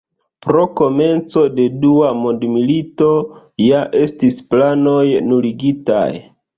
Pro komenco de dua mondmilito ja estis planoj nuligitaj.